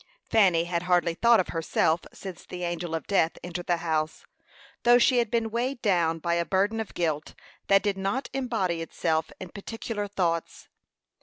Fanny had hardly thought of herself since the angel of death entered the house, though she had been weighed down by a burden of guilt that did not embody itself in particular thoughts.